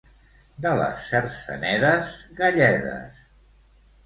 De les Cercenedes, galledes.